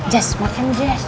jess makan jess